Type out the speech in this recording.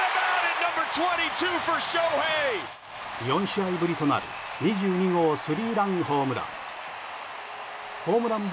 ４試合ぶりとなる２２号スリーランホームラン。